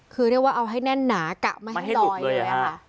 คือเรียกว่าเอาให้แน่นหนากะไม่ให้ลอยเลยค่ะ